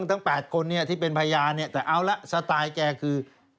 ทั้ง๘คนที่เป็นพยานเนี่ยแต่เอาละสไตล์แกคือ